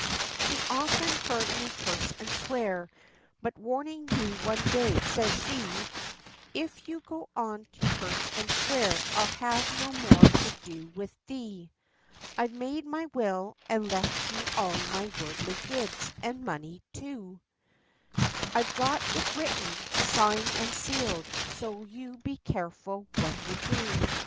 She often heard me curse and swear; but warning me one day, says she: 'If you go on to curse and swear, I'll have no more to do with thee! I've made my will, and left you all my worldly goods, and money, too; I've got it written, signed and sealed, so you be careful what you do!'